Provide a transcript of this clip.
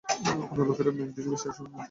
অন্য লোকেরা মেঘ দেখে বৃষ্টির আশায় আনন্দিত হয়।